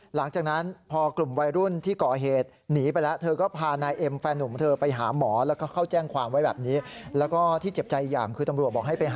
หลังจากนั้นพอกลุ่มวัยรุ่นที่เกาะเหตุหนีไปแล้ว